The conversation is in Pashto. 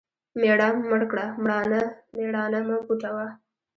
مېړه مړ کړه مېړانه مه پوټوه .